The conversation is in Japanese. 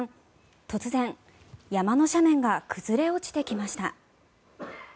突然、山の斜面が崩れ落ちてきました。